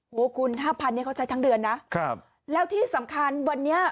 โหกูล๕๐๐๐บาทเขาใช้ทั้งเดือนนะแล้วที่สำคัญวันนี้